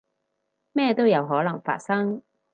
咩都有可能發生